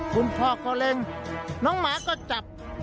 คุณพ่อก็เล่นน้องหมาก็จับ